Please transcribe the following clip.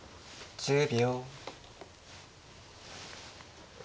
１０秒。